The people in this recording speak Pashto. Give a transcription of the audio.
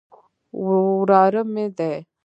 وراره مې دی.